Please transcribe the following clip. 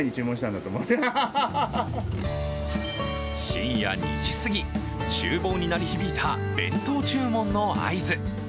深夜２時すぎ、ちゅう房に鳴り響いた弁当注文の合図。